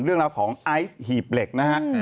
เรื่องราวของไอซ์หีบเหล็กนะฮะ